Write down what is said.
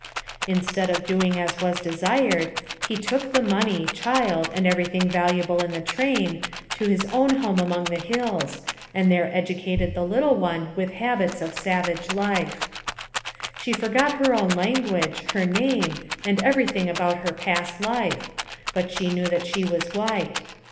Instead of doing as was desired, he took the money, child, and every thing valuable in the train, to his own AMONG THE SIOUX INDIANS. 139 home among the hills, and there educated the little one with habits of savage life. She forgot her own language, her name, and every thing about her past life, but she knew that she was white.